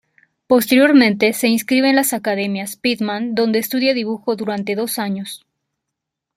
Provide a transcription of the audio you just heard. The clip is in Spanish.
Posteriormente se inscribe en las academias Pitman donde estudia dibujo durante dos años.